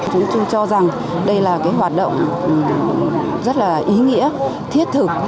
chúng tôi cho rằng đây là cái hoạt động rất là ý nghĩa thiết thực